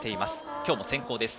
今日も先攻です。